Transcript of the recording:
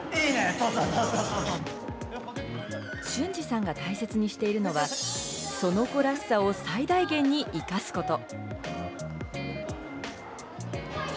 ＳＨＵＮＪＩさんが大切にしているのは、その子らしさを最大限に生かすこと。